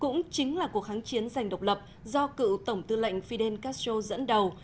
cũng chính là cuộc kháng chiến giành độc lập do cựu tổng tư lệnh fidel castro dẫn đầu